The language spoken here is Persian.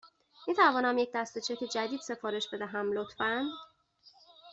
می تونم یک دسته چک جدید سفارش بدهم، لطفاً؟